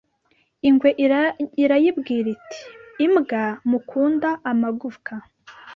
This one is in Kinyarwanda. Ingwe irayibwira iti imbwa mukunda amagufwa